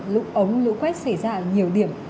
lũ ống lũ quét xảy ra nhiều điểm